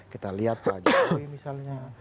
kita lihat pak jokowi misalnya